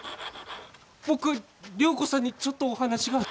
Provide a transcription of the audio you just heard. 僕良子さんにちょっとお話が。